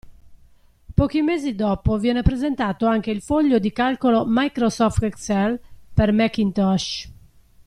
Pochi mesi dopo viene presentato anche il foglio di calcolo Microsoft Excel per Macintosh.